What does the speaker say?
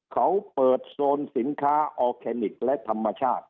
เขาเปิดโซนสินค้าออร์แกนิคและธรรมชาติ